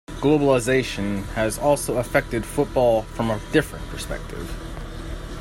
Globalisation has also affected football from a different perspective.